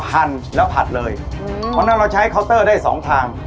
พันแล้วผัดเลยเพราะฉะนั้นเราใช้เคาน์เตอร์ได้สองทาง